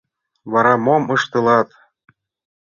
— Вара мом ыштылат?